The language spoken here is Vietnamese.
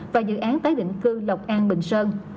và dự án tái định cư lộc an bình sơn